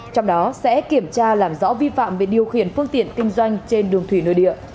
trong đó sẽ kiểm tra làm rõ vi phạm về điều khiển phương tiện kinh doanh trên đường thủy nơi địa